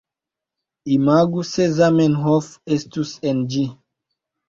Imagu se Zamenhof estus en ĝi